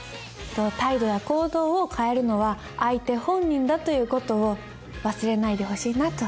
態度や行動を変えるのは相手本人だという事を忘れないでほしいなと思います。